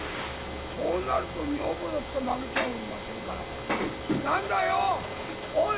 そうなると女房だって負けちゃおりませんから「何だよおい！」